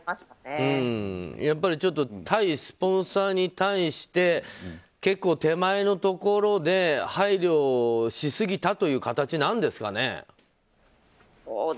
やっぱり対スポンサーに対して結構、手前のところで配慮しすぎたという形なんですかね。